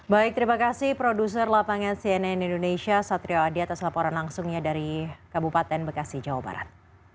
baik terima kasih produser lapangan cnn indonesia satrio adi atas laporan langsungnya dari kabupaten bekasi jawa barat